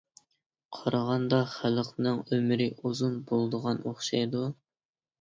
قارىغاندا خەلقنىڭ ئۆمرى ئۇزۇن بولىدىغان ئوخشايدۇ.